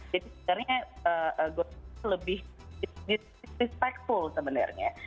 jadi sebenarnya ghosting itu lebih disrespectful sebenarnya